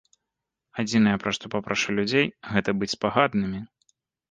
Адзінае пра што папрашу людзей, гэта быць спагаднымі.